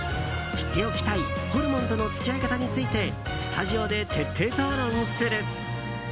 知っておきたいホルモンとの付き合い方についてスタジオで徹底討論する。